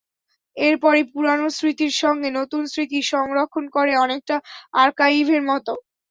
এরপরই পুরোনো স্মৃতির সঙ্গে নতুন স্মৃতি সংরক্ষণ করে, অনেকটা আর্কাইভের মতো।